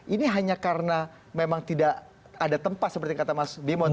ini hanya karena memang tidak ada tempat seperti kata mas bimo tadi